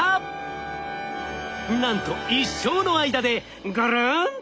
なんと一生の間でぐるんと